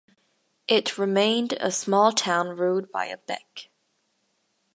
It remained a small town ruled by a Bek.